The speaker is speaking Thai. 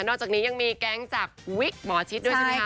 อกจากนี้ยังมีแก๊งจากวิกหมอชิดด้วยใช่ไหมคะ